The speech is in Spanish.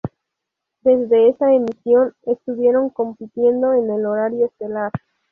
Desde esa emisión, estuvieron compitiendo en el horario estelar.